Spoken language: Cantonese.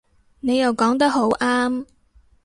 你又講得好啱